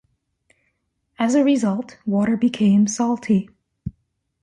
As a result, water became salty.